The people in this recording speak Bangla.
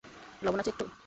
লবন আছে একটু।